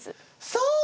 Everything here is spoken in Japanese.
そう！